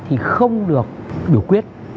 thì không được biểu quyết